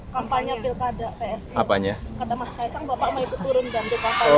kampanye pilkada psi kata mas kaisang bapak mau ikut turun dan jokapai